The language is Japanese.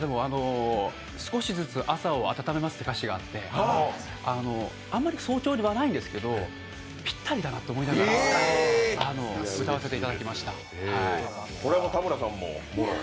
少しずつ朝をあたためますっていう歌詞があって、あんまり早朝ではないんですけどぴったりだなと思いながら田村さんも？